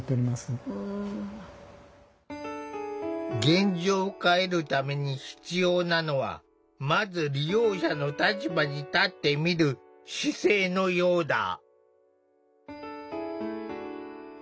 現状を変えるために必要なのはまず利用者の立場に立ってみる姿勢のようだ。